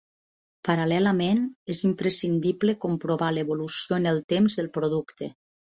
Paral·lelament, és imprescindible comprovar l'evolució en el temps del producte.